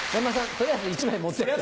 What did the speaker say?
取りあえず１枚持ってって。